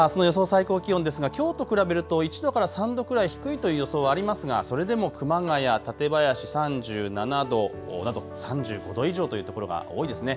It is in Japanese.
最高気温ですがきょうと比べると１度から３度くらい低いという予想ありますがそれでも熊谷、館林３７度など３５度以上という所が多いですね。